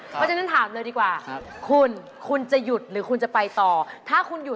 เป็นสินค้าที่ราคาถูกที่สุดค่ะ